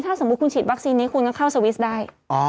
ถ้าสมมุติคุณฉีดวัคซีนนี้คุณก็เข้าสวิสต์ได้